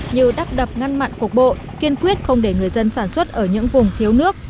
như đắp đập ngăn mặn cuộc bộ kiên quyết không để người dân sản xuất ở những vùng thiếu nước